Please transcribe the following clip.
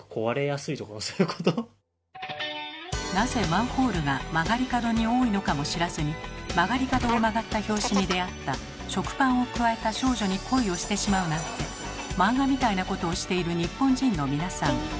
なぜマンホールが曲がり角に多いのかも知らずに曲がり角を曲がった拍子に出会った食パンをくわえた少女に恋をしてしまうなんて漫画みたいなことをしている日本人の皆さん。